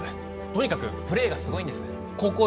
とにかくプレーがすごいんです高校